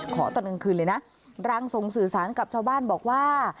ขอตัวหนึ่งคืนเลยนะรังส่งสื่อสารกับชาวบ้านบอกว่า